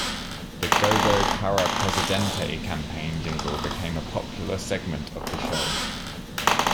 The "Gogo Para Presidente" campaign jingle became a popular segment of the show.